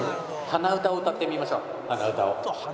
鼻歌を歌ってみましょう鼻歌を。